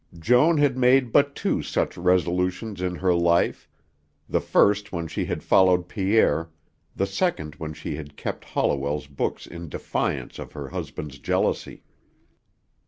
Joan had made but two such resolutions in her life; the first when she had followed Pierre, the second when she had kept Holliwell's books in defiance of her husband's jealousy.